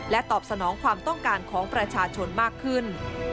ตอบสนองความต้องการของประชาชนมากขึ้น